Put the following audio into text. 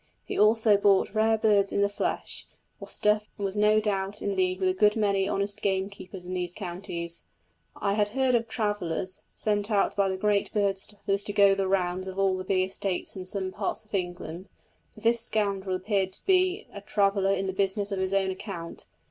He also bought rare birds in the flesh, or stuffed, and was no doubt in league with a good many honest gamekeepers in those counties. I had heard of "travellers" sent out by the great bird stuffers to go the rounds of all the big estates in some parts of England, but this scoundrel appeared to be a traveller in the business on his own account.